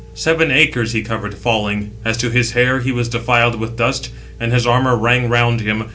Seven acres he covered, falling; as to his hair he was defiled with dust; and his armour rang round him.